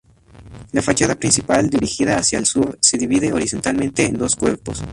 La fachada principal, dirigida hacia el Sur, se divide horizontalmente en dos cuerpos.